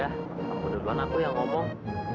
yaudah aku duluan yang ngomong